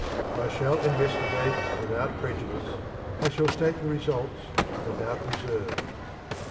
I shall investigate without prejudice; I shall state the results without reserve.